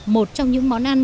một trong những món ăn